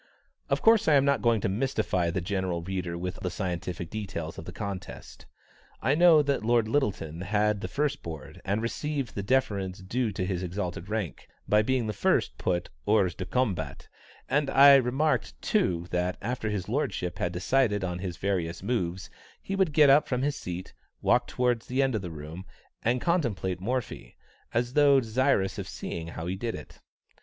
Of course I am not going to mystify the general reader with the scientific details of the contest. I know that Lord Lyttelton had the first board, and received the deference due to his exalted rank, by being the first put hors du combat, and I remarked, too, that after his lordship had decided on his various moves, he would get up from his seat, walk towards the end of the room, and contemplate Morphy, as though desirous of seeing how he did it.